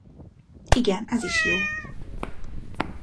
Igen, ez is jó.